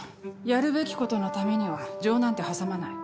やるべきことのためには情なんて挟まない。